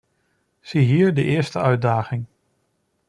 Ziehier de eerste uitdaging.